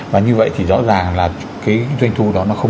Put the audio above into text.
và như vậy thì rõ ràng là cái doanh thu đó nó không có tài khoản